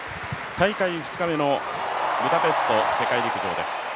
大会２日目のブダペスト世界陸上です。